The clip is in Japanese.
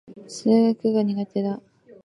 数学が苦手だ。